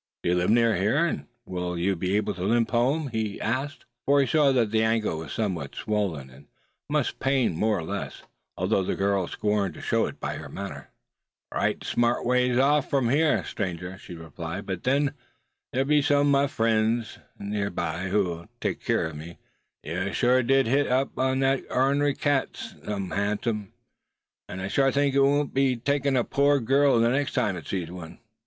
"Do you live near here; and will you be able to limp home?" he asked; for he saw that the ankle was somewhat swollen, and must pain more or less; although the girl scorned to show it by her manner. "A right smart ways off from heah, stranger," she replied; "but then they be some o' my friends nigh this, who'll take keer o' me. Ye did hit up that ere onary cat some handsome, an' I shore think it won't want to tackle a pore gal ther next time it sees one."